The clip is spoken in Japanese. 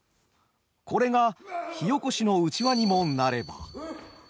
これが火おこしのうちわにもなれば。